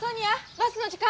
バスの時間！